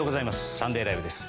「サンデーＬＩＶＥ！！」です。